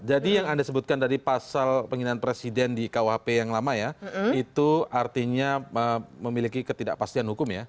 jadi yang anda sebutkan dari pasal penggunaan presiden di kuhp yang lama ya itu artinya memiliki ketidakpastian hukum ya